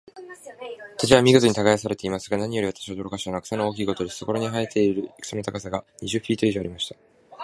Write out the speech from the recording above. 土地は見事に耕されていますが、何より私を驚かしたのは、草の大きいことです。そこらに生えている草の高さが、二十フィート以上ありました。